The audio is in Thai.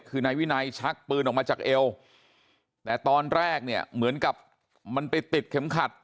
คือนายวินัยชักปืนออกมาจากเอวแต่ตอนแรกเนี่ยเหมือนกับมันไปติดเข็มขัด